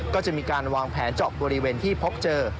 ก็จะมีการวางแผนเจาะบริเวณที่พบเจอ